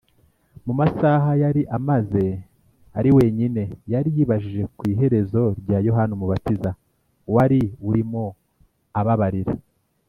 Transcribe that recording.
mu masaha yari amaze ari wenyine, yari yibajije ku iherezo rya yohana umubatiza wari urimo ababarira